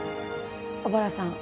小原さん